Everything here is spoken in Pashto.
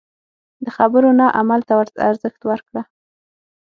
د خبرو نه عمل ته ارزښت ورکړه.